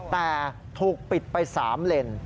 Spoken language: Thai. แต่ถูกปิดไป๓เลน